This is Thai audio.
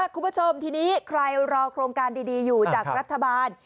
คุณผู้ชมทีนี้ใครรอโครงการดีอยู่จากรัฐบาล